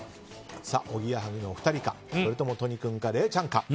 おぎやはぎのお二人かそれとも都仁君か礼ちゃんか。